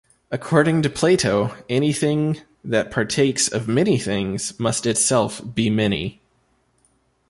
According to Plato, anything that partakes of many things must itself be many.